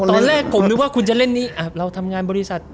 ตอนแรกผมนึกว่าคุณจะเล่นนี่เราทำงานบริษัท